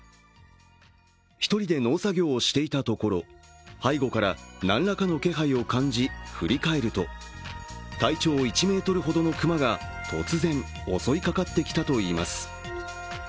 １人で農作業をしていたところ、背後から何らかの気配を感じ振り返ると、体長１ｍほどの熊が突然、襲いかかってきたといいます。